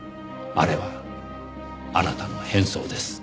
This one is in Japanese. あれはあなたの変装です。